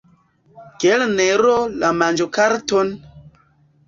Kelnero, la manĝokarton!